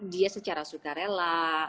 dia secara sukarela